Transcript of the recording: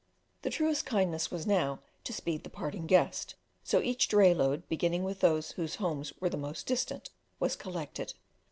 The truest kindness was now to "speed the parting guest," so each dray load, beginning with those whose homes were the most distant, was collected.